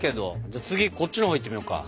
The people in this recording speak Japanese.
じゃあ次こっちのほういってみようか。